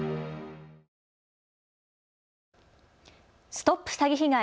ＳＴＯＰ詐欺被害！